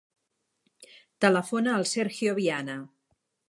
Telefona al Sergio Viana.